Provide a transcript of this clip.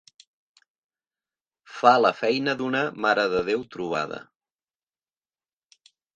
Fa la feina d'una marededéu trobada.